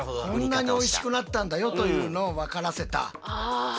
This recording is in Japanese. こんなにおいしくなったんだよというのを分からせた。